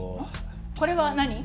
これは何？